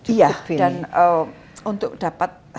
iya dan untuk dapat seratus